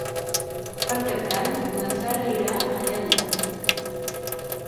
Per Cap d'Any na Sara irà a Elda.